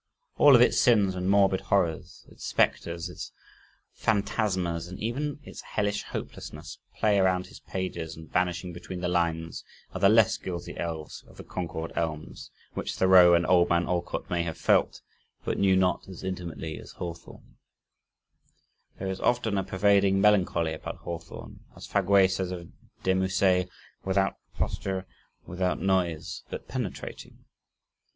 All of its sins and morbid horrors, its specters, its phantasmas, and even its hellish hopelessness play around his pages, and vanishing between the lines are the less guilty Elves of the Concord Elms, which Thoreau and Old Man Alcott may have felt, but knew not as intimately as Hawthorne. There is often a pervading melancholy about Hawthorne, as Faguet says of de Musset "without posture, without noise but penetrating."